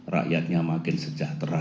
rakyatnya makin sejahtera